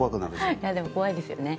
いやでも怖いですよね。